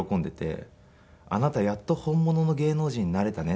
「あなたやっと本物の芸能人になれたね」